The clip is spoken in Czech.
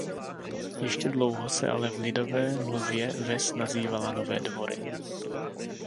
Ještě dlouho se ale v lidové mluvě ves nazývala "Nové Dvory".